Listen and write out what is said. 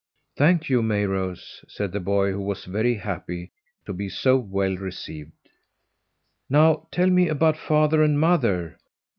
"Thank you, Mayrose!" said the boy, who was very happy to be so well received. "Now tell me all about father and mother."